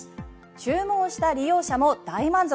注文した利用者も大満足。